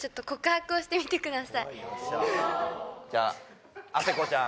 じゃああせ子ちゃん